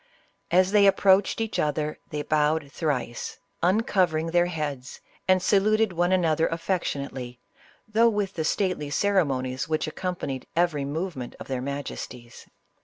As they approached each other, they bowed thrice, uncovering their heads, and saluted one another affectionately, though with the stately ceremonies which accompanied every movement of their majesties.